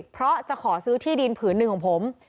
เพราะจะขอซื้อที่ดินผืนหนึ่งของผม